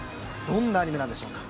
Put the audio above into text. どんなアニメなんでしょうか。